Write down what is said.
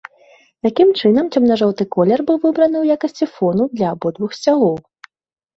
Такім чынам, цёмна-жоўты колер быў выбраны ў якасці фону для абодвух сцягоў.